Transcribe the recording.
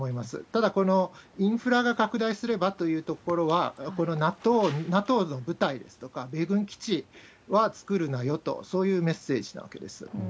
ただ、インフラが拡大すればというところは、このＮＡＴＯの部隊ですとか米軍基地は作るなよと、そういうメッ